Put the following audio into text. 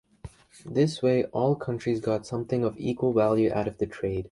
This way all countries got something of equal value out of the trade.